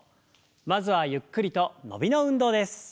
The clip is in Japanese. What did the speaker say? まずはゆっくりと伸びの運動です。